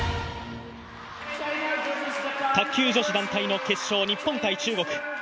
卓球女子団体の決勝日本対中国。